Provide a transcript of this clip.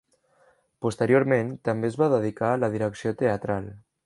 Posteriorment també es va dedicar a la direcció teatral.